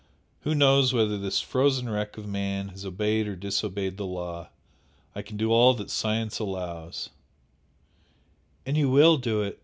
Who knows whether this frozen wreck of man has obeyed or disobeyed the law? I can do all that science allows " "And you will do it!"